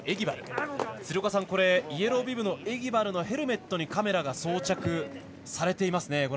鶴岡さん、イエロービブのエギバルのヘルメットにカメラが装着されていますね。